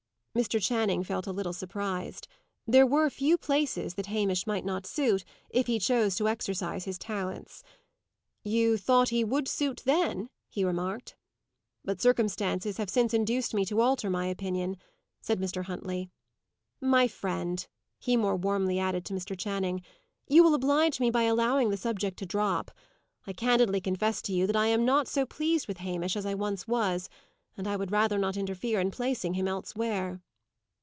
Mr. Channing felt a little surprised. There were few places that Hamish might not suit, if he chose to exercise his talents. "You thought he would suit then?" he remarked. "But circumstances have since induced me to alter my opinion," said Mr. Huntley. "My friend," he more warmly added to Mr. Channing, "you will oblige me by allowing the subject to drop. I candidly confess to you that I am not so pleased with Hamish as I once was, and I would rather not interfere in placing him elsewhere."